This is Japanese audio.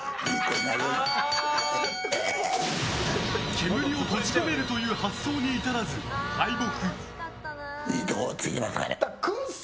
煙を閉じ込めるという発想に至らず敗北！